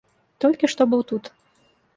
Толькі што быў тут.